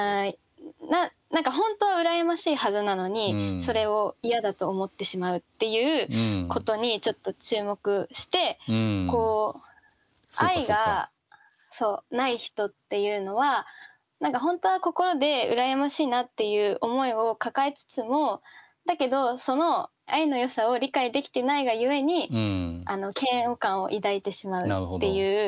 何か本当は羨ましいはずなのにそれを嫌だと思ってしまうっていうことにちょっと注目して愛がない人っていうのは何か本当は心で羨ましいなっていう思いを抱えつつもだけどその愛のよさを理解できてないがゆえに嫌悪感を抱いてしまうっていう。